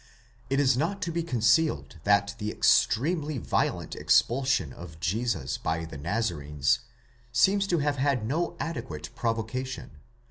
It is not to be concealed that the extremely violent expulsion of Jesus by the Nazarenes, seems to have had no adequate provocation